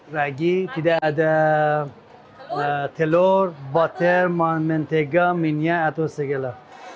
ragi tidak ada telur butter mentega minyak atau segala